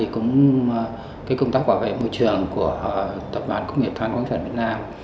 công tác bảo vệ môi trường của tập đoàn công nghiệp than khoáng sản việt nam